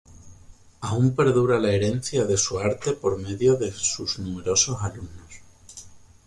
Aún perdura la herencia de su arte por medio de sus numerosos alumnos.